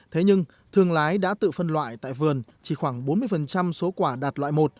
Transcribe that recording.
thế nhưng thương lái đã tự phân loại tại vườn chỉ khoảng bốn mươi số quả đạt loại một